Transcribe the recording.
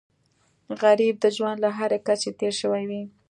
غریب د ژوند له هرې کچې تېر شوی وي